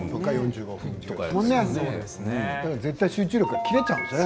絶対集中力が切れちゃうよね。